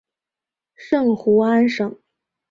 圣胡安省。